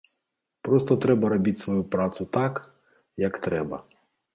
Проста трэба рабіць сваю працу так, як трэба.